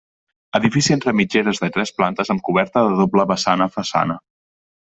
Edifici entre mitgeres de tres plantes amb coberta de doble vessant a façana.